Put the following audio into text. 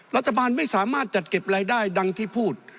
รัฐบาลไม่สามารถจัดเก็บรายได้ดังที่พูด